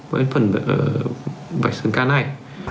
với phần vạch xương cá này